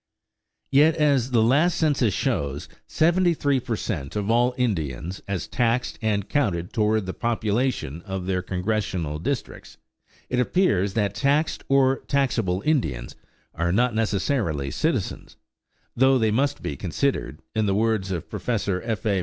Yet as the last census shows 73 per cent. of all Indians as taxed and counted toward the population of their Congressional districts, it appears that taxed or taxable Indians are not necessarily citizens; though they must be considered, in the words of Prof. F. A.